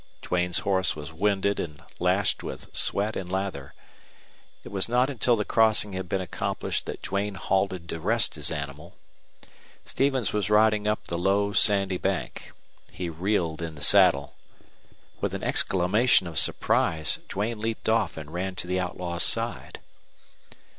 Duane's horse was winded and lashed with sweat and lather. It was not until the crossing had been accomplished that Duane halted to rest his animal. Stevens was riding up the low, sandy bank. He reeled in the saddle. With an exclamation of surprise Duane leaped off and ran to the outlaw's side.